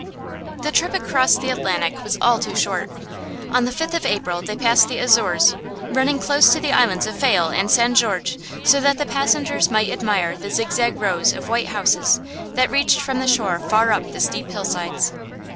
The trip across the Atlantic was all too short. On the fifth of April they passed the Azores, running close to the islands of Fayal and San Jorge so that the passengers might admire the zigzag rows of white houses that reached from the shore far up the steep hillsides.